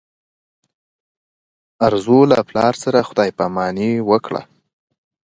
ارزو له پلار سره خدای په اماني وکړه.